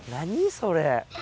それ。